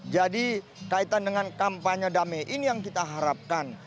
jadi kaitan dengan kampanye damai ini yang kita harapkan